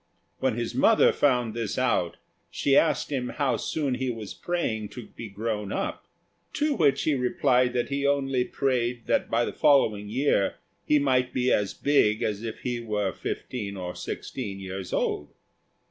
When his mother found this out, she asked him how soon he was praying to be grown up; to which he replied that he only prayed that by the following year he might be as big as if he were fifteen or sixteen years old.